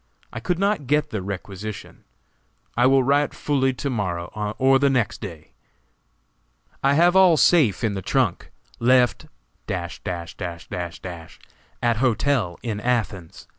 I could not get the requisition. I will write fully to morrow or the next day. "I have all safe in the trunk. Left at hotel in Athens.